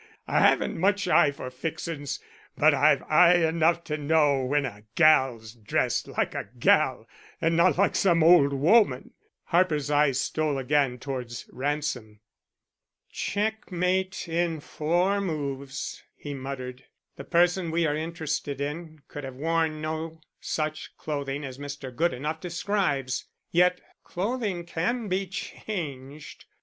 I haven't much eye for fixin's but I've eye enough to know when a gal's dressed like a gal and not like some old woman." Harper's eye stole again towards Ransom. "Checkmate in four moves," he muttered. "The person we are interested in could have worn no such clothing as Mr. Goodenough describes. Yet clothing can be changed.